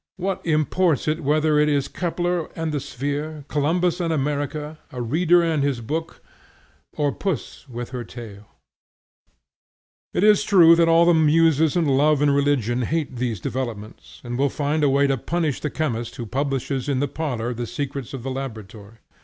What imports it whether it is Kepler and the sphere, Columbus and America, a reader and his book, or puss with her tail? It is true that all the muses and love and religion hate these developments, and will find a way to punish the chemist who publishes in the parlor the secrets of the laboratory.